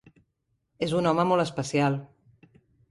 És un home molt especial.